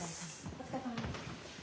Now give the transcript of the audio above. お疲れさまです。